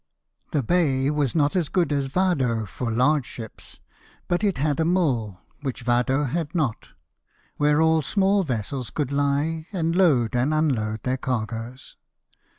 The bay was not as good as Vado for large ships ; but it had a mole, which Vado had not, where all small vessels could he, and loa.d and unload their cargoes.